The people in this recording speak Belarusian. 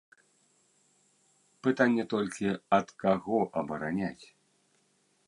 Пытанне толькі, ад каго абараняць?